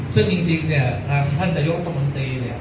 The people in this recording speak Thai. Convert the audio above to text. ซึ่งจริงจริงเนี้ยทางท่านตะยกอัตโธมนตรีเนี้ย